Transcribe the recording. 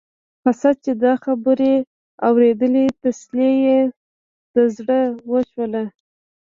قاصد چې دا خبرې واورېدلې تسلي یې د زړه وشوله.